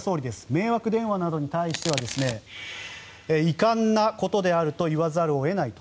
迷惑電話などに対しては遺憾なことであると言わざるを得ないと。